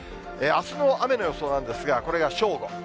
あすの雨の予想なんですが、これが正午。